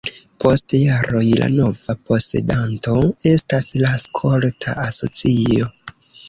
Post jaroj la nova posedanto estas la skolta asocio.